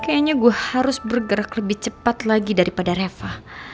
kayaknya gue harus bergerak lebih cepat lagi daripada reva